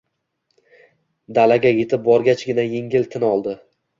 Dalaga yetib borgachgina yengil tin oldi